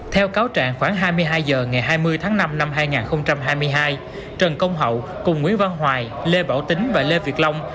theo cáo trạng khoảng hai mươi hai h ngày hai mươi tháng năm năm hai nghìn hai mươi hai trần công hậu cùng nguyễn văn hoài lê bảo tính và lê việt long